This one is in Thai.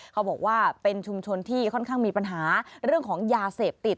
เขาบอกว่าเป็นชุมชนที่ค่อนข้างมีปัญหาเรื่องของยาเสพติด